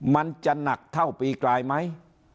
มันจะหนักเท่าปีกลายไหม